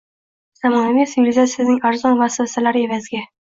zamonaviy sivilizatsiyaning arzon vasvasalari evaziga